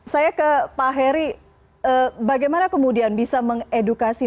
saya ke pak heri bagaimana kemudian bisa mengedukasi